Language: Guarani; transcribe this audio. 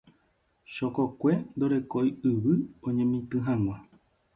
Chokokue ndoguerekói yvy oñemitỹ hag̃ua.